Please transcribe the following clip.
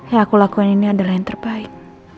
yang aku lakukan ini adalah yang terbaik